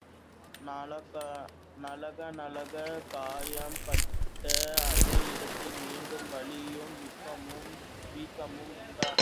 நாளாகநாளாக, காயம் பட்ட அதே இடத்தில் மீண்டும் வலியும் வீக்கமும் உண்டானது.